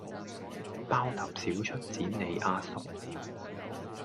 包揼少出剪你阿叔